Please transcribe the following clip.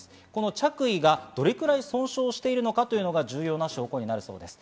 着衣がどれくらい損傷しているのかというのが重要な証拠になるそうです。